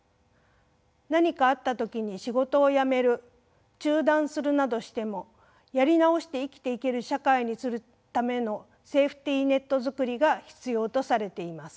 何かあった時に仕事を辞める中断するなどしてもやり直して生きていける社会にするためのセーフティーネット作りが必要とされています。